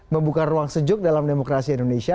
membuka ruang sejuk dalam demokrasi indonesia